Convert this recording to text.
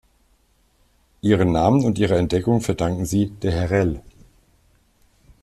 Ihren Namen und ihre Entdeckung verdanken sie d’Herelle.